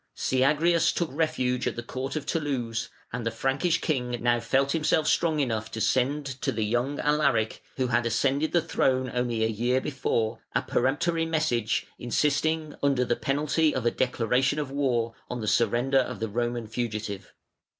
Syagrius took refuge at the court of Toulouse, and the Frankish king now felt himself strong enough to send to the young Alaric, who had ascended the throne only a year before, a peremptory message, insisting, under the penalty of a declaration of war, on the surrender of the Roman fugitive.